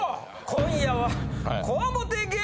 今夜は。